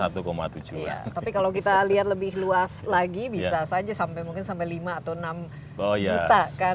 tapi kalau kita lihat lebih luas lagi bisa saja sampai mungkin sampai lima atau enam juta kan